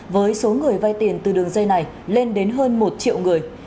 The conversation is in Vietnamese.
với số người vay tiền từ đường dây này lên đến hơn một triệu người